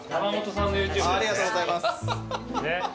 ありがとうございます。